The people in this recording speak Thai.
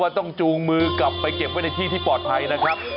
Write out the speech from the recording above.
ต้องจูงมือกลับไปเก็บไว้ในที่ที่ปลอดภัยนะครับ